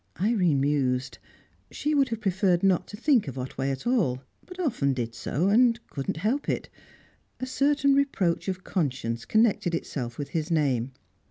Irene mused. She would have preferred not to think of Otway at all, but often did so, and could not help it. A certain reproach of conscience connected itself with his name.